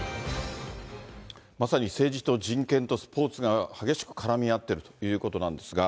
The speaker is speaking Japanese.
まさに、政治と人権とスポーツが激しく絡み合っているということなんですが。